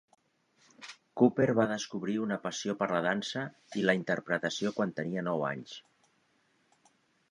Cooper va descobrir una passió per la dansa i la interpretació quan tenia nou anys.